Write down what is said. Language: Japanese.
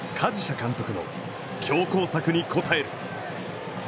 舍監督の強攻策に応える。